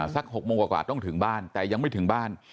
สัก๖โมงกว่าต้องถึงบ้านแต่ยังไม่ถึงบ้าน